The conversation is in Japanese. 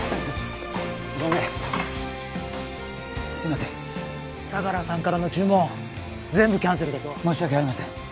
ごめんすいません相良さんからの注文全部キャンセルだ申し訳ありません